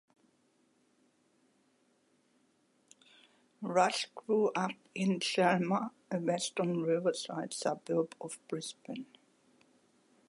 Rush grew up in Chelmer, a western riverside suburb of Brisbane.